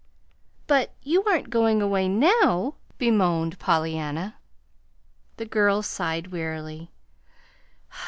"But you aren't going away NOW!" bemoaned Pollyanna. The girl sighed wearily.